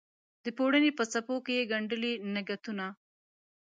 د پوړنې په څپو کې یې ګنډلي نګهتونه